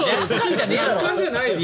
若干じゃないよ！